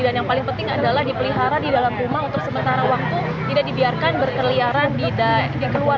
dan yang paling penting adalah dipelihara di dalam rumah untuk sementara waktu tidak dibiarkan berkeliaran keluar dari rumah